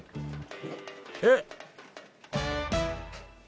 えっ！